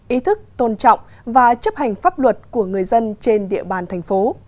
ý thức tôn trọng và chấp hành pháp luật của người dân trên địa bàn thành phố